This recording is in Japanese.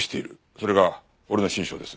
それが俺の心証です。